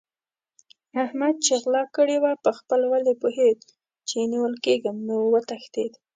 احمد چې غلا کړې وه؛ په خپل ولي پوهېد چې نيول کېږم نو وتښتېد.